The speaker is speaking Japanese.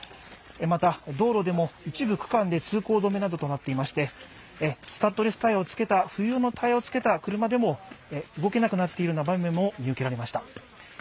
また、道路でも一部区間で通行止めなどとなっていまして、スタッドレスタイヤ、冬のタイヤをつけた車でも動けなくなっているような場面も見受けられました。